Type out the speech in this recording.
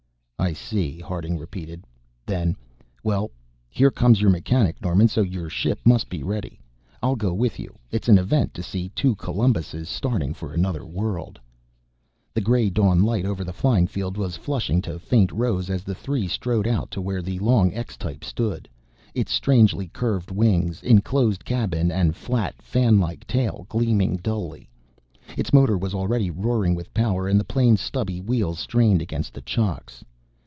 "I see," Harding repeated. Then "Well, here comes your mechanic, Norman, so your ship must be ready. I'll go with you. It's an event to see two Columbuses starting for another world." The gray dawn light over the flying field was flushing to faint rose as the three strode out to where the long X type stood, its strangely curved wings, enclosed cabin and flat, fan like tail gleaming dully. Its motor was already roaring with power and the plane's stubby wheels strained against the chocks.